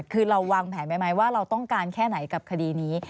คือเราวางแผนไว้ไหมว่าเราต้องการแค่ไหนกับคดีนี้